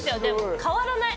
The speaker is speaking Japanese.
変わらない。